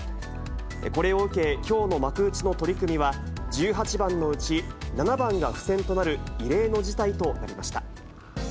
これを受け、きょうの幕内の取組は、１８番のうち、７番が不戦となる異例の事態となりました。